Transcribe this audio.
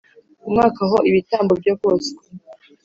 Umwaka ho ibitambo byo koswa